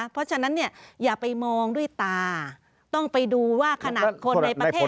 เพราะฉะนั้นเนี่ยอย่าไปมองด้วยตาต้องไปดูว่าขนาดคนในประเทศ